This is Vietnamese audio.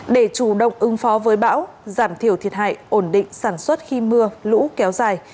để chủ động ứng phó với bão giảm thiểu thiệt hại ổn định sản xuất khi mưa lũ kéo dài